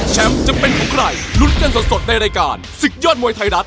จะเป็นของใครลุ้นกันสดในรายการศึกยอดมวยไทยรัฐ